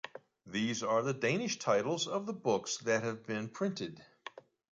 These are the Danish titles of the books that have been printed.